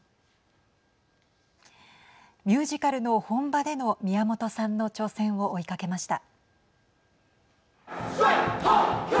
ミュージカルの本場での宮本さんの挑戦を追いかけました。